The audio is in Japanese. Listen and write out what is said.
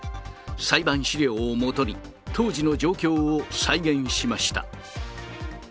裁判資料を基に、当時の状況を再現しました。